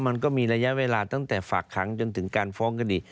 มันก็มีระยะเวลาตั้งแต่ฝากขังจนถึงการฟ้องคดี